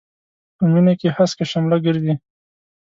په مينې کې هسکه شمله ګرځي.